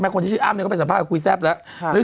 คนที่ชื่ออ้ำก็ไปสัมภาษณ์คุยแซ่บแล้ว